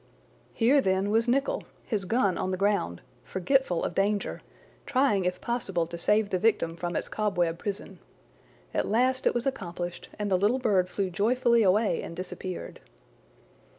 Here, then, was Nicholl, his gun on the ground, forgetful of danger, trying if possible to save the victim from its cobweb prison. At last it was accomplished, and the little bird flew joyfully away and disappeared.